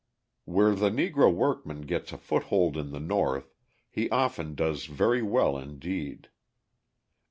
Where the Negro workman gets a foothold in the North, he often does very well indeed.